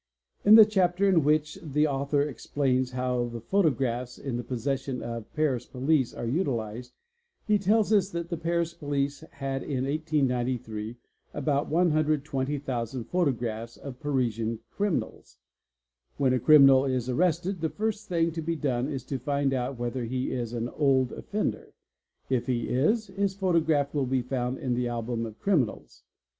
In the chapter in which the author 'explains how the photographs in the possession of Paris police are utilised, he tells us that the Paris police had in 1893 about 120,000 photographs of Parisian criminals; when a criminal is arrested the first thing to be done is to find out whether he is an old offender; if he is, his photograph will be found in the album of criminals.